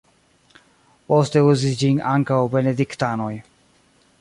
Poste uzis ĝin ankaŭ benediktanoj.